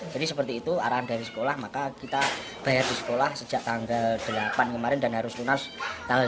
jadi seperti itu arahan dari sekolah maka kita bayar di sekolah sejak tanggal delapan kemarin dan harus lunas tanggal dua belas